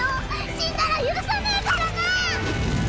死んだら許さねぇからな！